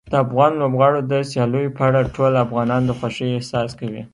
د افغان لوبغاړو د سیالیو په اړه ټول افغانان د خوښۍ احساس کوي.